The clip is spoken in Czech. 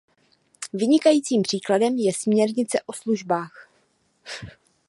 Vynikajícím příkladem je směrnice o službách.